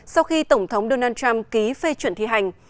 sau khi tổng thống donald trump ký phê chuẩn thi hành